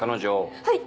はい。